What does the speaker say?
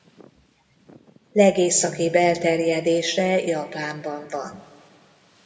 Legészakibb elterjedése Japánban van.